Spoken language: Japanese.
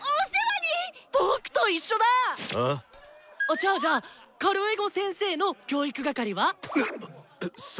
じゃあじゃあカルエゴ先生の教育係は⁉う！